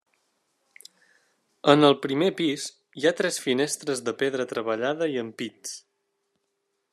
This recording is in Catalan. En el primer pis hi ha tres finestres de pedra treballada i ampits.